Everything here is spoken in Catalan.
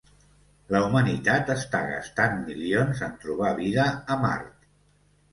La humanitat està gastant milions en trobar vida a Mart.